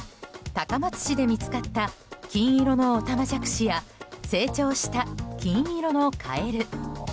高松市で見つかった金色のオタマジャクシや成長した金色のカエル。